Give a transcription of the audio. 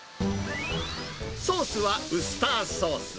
ソースはウスターソース。